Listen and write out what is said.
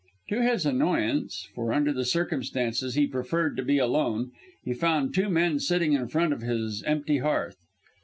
To his annoyance for under the circumstances he preferred to be alone he found two men sitting in front of his empty hearth.